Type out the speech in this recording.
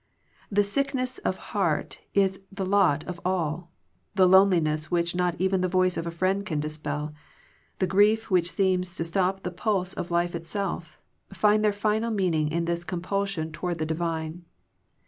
The sick ness of heart which is the lot of all, the loneliness which not even the voice of a friend can dispel, the grief which seems to stop the pulse of life itself, find their final meaning in this compulsion toward the divine.